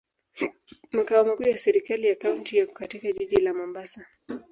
Makao makuu ya serikali ya kaunti yako katika jiji la Mombasa.